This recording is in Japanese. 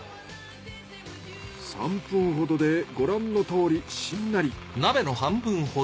３分ほどでご覧のとおりしんなり。